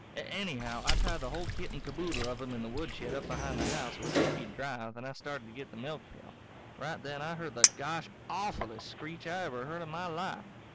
Anyhow, I tied the whole kit and caboodle of them in the woodshed up behind the house, where they'd be dry, then I started to get the milkpail. Right then I heard the gosh awfullest screech I ever heard in my life.